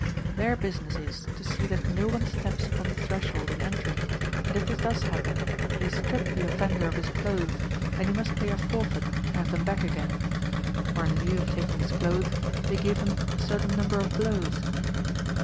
Their business is to see that no one steps upon the threshold in entering, and if this does happen, they strip the offender of his clothes, and he must pay a forfeit to have them back again ; or in lieu of taking his clothes, they give him a certain number of blows.